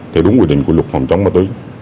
theo đúng quy định của luật phòng chống ma túy